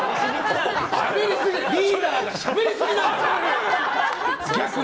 リーダーがしゃべりすぎ、逆に。